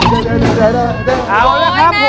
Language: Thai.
โอ๊ยเหมือนแม่